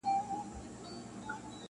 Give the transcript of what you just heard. چي نه یې ګټه نه زیان رسېږي,